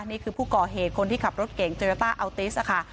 นี่คือผู้ก่อเหตุคนที่ขับรถเก่งโยต้าอัลติสค่ะ